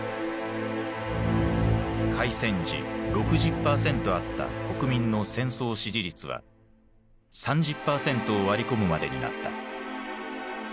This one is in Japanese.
開戦時６０％あった国民の戦争支持率は３０％を割り込むまでになった。